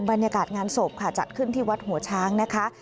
บรรยากาศงานศพค่ะจัดขึ้นที่วัดหัวช้างนะคะ